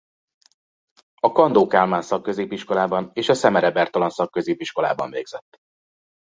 A Kandó Kálmán Szakközépiskolában és a Szemere Bertalan Szakközépiskolában végzett.